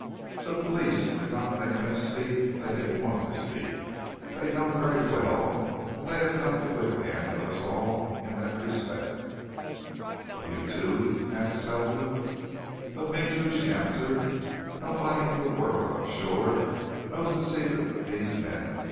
The police could not make them speak if they didn't want to speak. They know very well that they have got the whip hand of all of us in that respect!" "Of you, too?" asked Selwood. "Of me, too!" she answered. "Nobody in the world, I'm sure, knows the secret but these men.